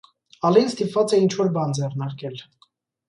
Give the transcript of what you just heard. Ալին ստիպված է ինչ որ բան ձեռնարկել։